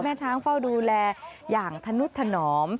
ช้างเฝ้าดูแลอย่างธนุษย์ถนอม